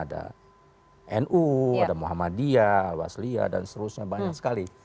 ada nu ada muhammadiyah al wasliyah dan seterusnya banyak sekali